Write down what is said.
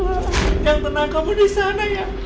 yang tenang kamu di sana ya